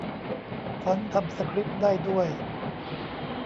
ฟอนต์ทำสคริปต์ได้ด้วย !